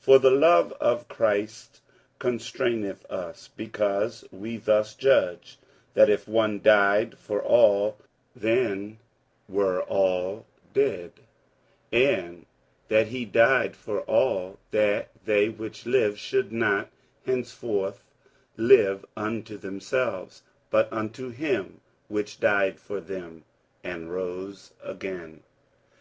47:005:014 For the love of Christ constraineth us; because we thus judge, that if one died for all, then were all dead: 47:005:015 And that he died for all, that they which live should not henceforth live unto themselves, but unto him which died for them, and rose again.